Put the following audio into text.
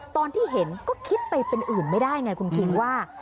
ตอนที่เห็นก็คิดไปเป็นอื่นไม่ได้ไงคุณคิงว่า